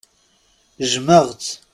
Jjmeɣ-tt.